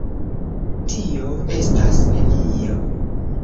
Tio estas nenio.